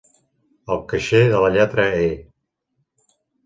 El caixer de la lletra "e".